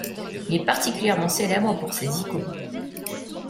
Il est particulièrement célèbre pour ses icônes.